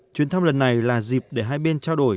chuyến thăm lần này là dịp để hai bên trao đổi